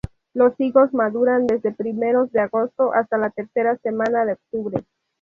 Los higos maduran desde primeros de agosto hasta la tercera semana de octubre.